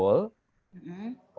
walaupun itu pekerjaan politik yang sakit